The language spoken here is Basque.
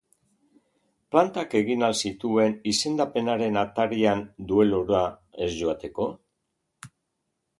Plantak egin al zituen izendapenaren atarian duelura ez joateko?